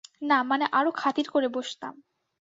না, মানে আরো খাতির করে বসতাম।